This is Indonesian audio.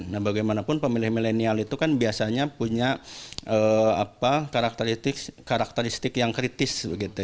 nah bagaimanapun pemilih milenial itu kan biasanya punya karakteristik yang kritis